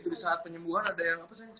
di saat penyembuhan ada yang apa sih